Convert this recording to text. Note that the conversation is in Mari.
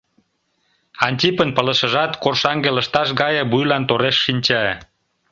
Антипын пылышыжат коршаҥге лышташ гае вуйлан тореш шинча.